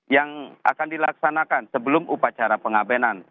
yang akan dilaksanakan sebelum upacara pengabenan